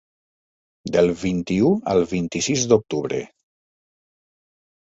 Del vint-i-u al vint-i-sis d'octubre.